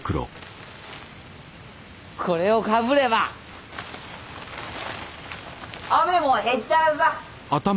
これをかぶれば雨もへっちゃらさ！